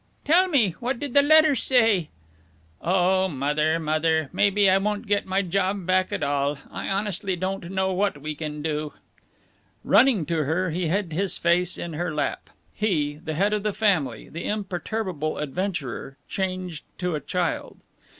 "Tell me what did the letter say?" "Oh, Mother, Mother, maybe I won't get my job back at all! I honestly don't know what we can do." Running to her, he hid his face in her lap he, the head of the family, the imperturbable adventurer, changed to a child.